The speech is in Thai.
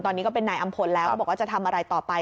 ตอนนี้ก็เป็นนายอำพลแล้วก็บอกว่าจะทำอะไรต่อไป